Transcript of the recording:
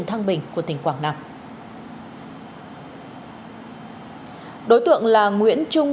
phòng cảnh sát hình sự công an tỉnh quảng nam đã bắt được đối tượng sát hại thầy hiệu trưởng